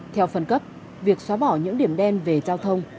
theo phần cấp việc xóa bỏ những điểm đen về giao thông